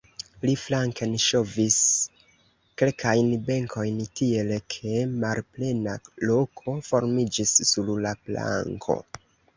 Li flanken ŝovis kelkajn benkojn, tiel ke malplena loko formiĝis sur la planko.